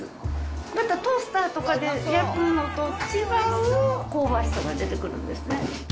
またトースターとかで焼くのと違う香ばしさが出てくるんですね。